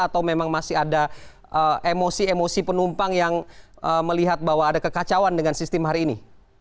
atau memang masih ada emosi emosi penumpang yang melihat bahwa ada kekacauan dengan sistem hari ini